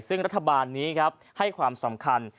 ซึ่งรัฐบาลนี้ครับให้ความสำคัญ